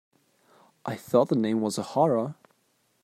I thought the name was a horror.